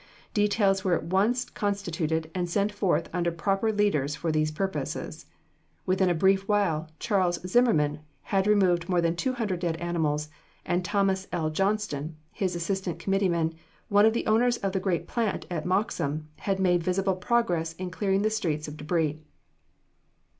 Details were at once constituted and sent forth under proper leaders for these purposes. Within a brief while, Charles Zimmerman had removed more than two hundred dead animals, and Thos. L. Johnson, his assistant committeeman, one of the owners of the great plant at Moxham, had made visible progress in clearing the streets of debris.